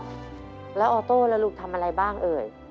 ออโต๊ะแล้วออโต๊ะแล้วลูกทำอะไรบ้างเอ๋ย